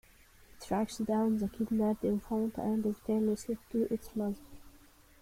He tracks down the kidnapped infant and returns it to its mother.